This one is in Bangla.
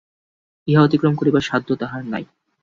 ইহা অতিক্রম করিবার সাধ্য তাহার নাই।